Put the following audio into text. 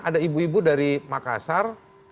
ada ibu ibu dari makassar